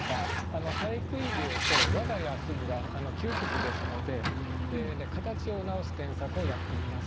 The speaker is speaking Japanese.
「蠅食ひ芸」と「わが家住む」が窮屈ですので形を直す添削をやってみます。